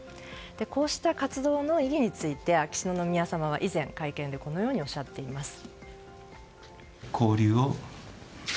こうした活動の意義について秋篠宮さまは以前、会見でこのようにおっしゃっています。